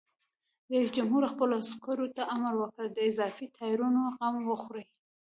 رئیس جمهور خپلو عسکرو ته امر وکړ؛ د اضافي ټایرونو غم وخورئ!